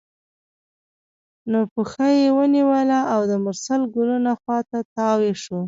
نو پښه یې ونیوله او د مرسل ګلونو خوا ته تاوه شوه.